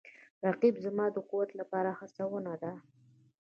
رقیب زما د قوت لپاره هڅونه ده